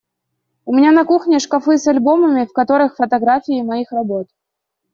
У меня на кухне шкафы с альбомами, в которых фотографии моих работ.